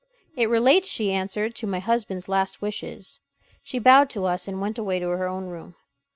"It relates," she answered, "to my husband's last wishes." She bowed to us, and went away to her own room.